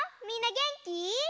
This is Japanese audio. みんなげんき？